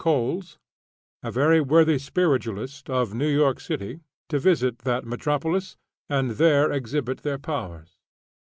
Coles, a very worthy spiritualist of New York City, to visit that metropolis, and there exhibit their powers.